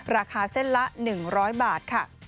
ราคาเส้นละ๑๐๐บาทค่ะ